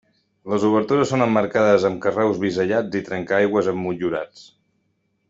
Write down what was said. Les obertures són emmarcades amb carreus bisellats i trencaaigües emmotllurats.